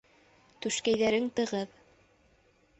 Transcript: Түшкәйҙәрең тығыҙ